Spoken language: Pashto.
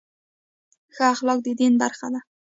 ښه اخلاق د دین برخه ده.